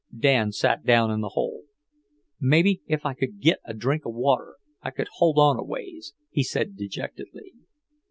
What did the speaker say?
Dan sat down in the hole. "Maybe if I could git a drink of water, I could hold on a ways," he said dejectedly.